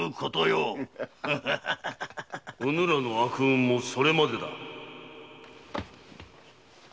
・うぬらの悪運もそれまでだ